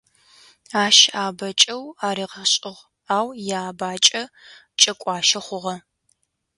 Ащ абэ кӏэу аригъэшӏыгъ, ау иабакӏэ кӏэкуащэ хъугъэ.